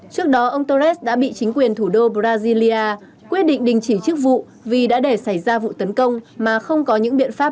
trước đó ông torres đã bị chính quyền thủ đô brazilya quyết định đình chỉ chức vụ vì đã để xảy ra vụ tấn công mà không có những biện pháp